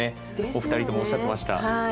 お二人ともおっしゃってました。